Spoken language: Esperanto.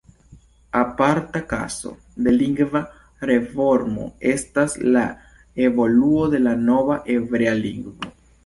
Aparta kazo de lingva reformo estas la evoluo de la nova hebrea lingvo.